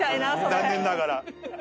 残念ながら。